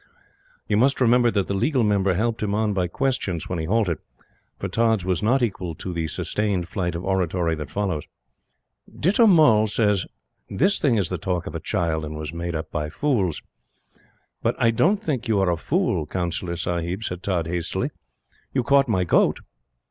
You must remember that the Legal Member helped him on by questions when he halted, for Tods was not equal to the sustained flight of oratory that follows. "Ditta Mull says: 'This thing is the talk of a child, and was made up by fools.' But I don't think you are a fool, Councillor Sahib," said Todds, hastily. "You caught my goat.